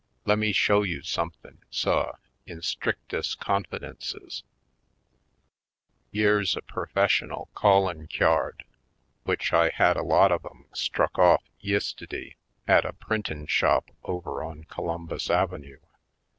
Lemme show you somethin', suh, in strictes' confi dences — yere's a perfessional callin' cyard, w'ich I had a lot of 'em struck off yistiddy at a printin' shop over on Columbus Ave nue."